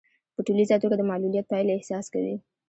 په ټولیزه توګه د معلوليت پايلې احساس کوي.